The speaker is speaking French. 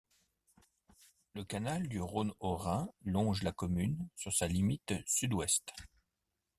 Le canal du Rhône au Rhin longe la commune sur sa limite sud-ouest.